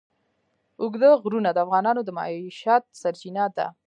اوږده غرونه د افغانانو د معیشت سرچینه ده.